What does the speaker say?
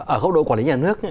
ở hốc độ quản lý nhà nước